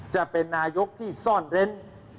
จะเป็นนายกที่ซ่อนเร้น